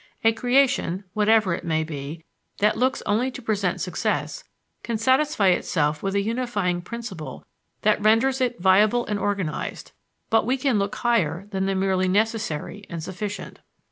A creation, whatever it be, that looks only to present success, can satisfy itself with a unifying principle that renders it viable and organized, but we can look higher than the merely necessary and sufficient.